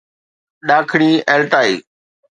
ڏاکڻي Altai